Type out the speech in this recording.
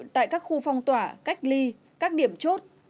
tại các khu phong tỏa cách ly các điểm chốt